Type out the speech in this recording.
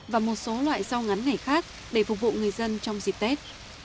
và một số loại rau ngắn ngày khác để phục vụ người dân trong dịp tết